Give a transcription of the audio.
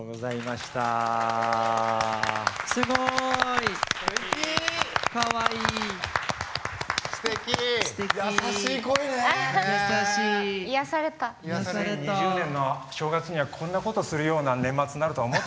２０２０年の正月にはこんなことをするような年末になるとは思ってなかったわよ。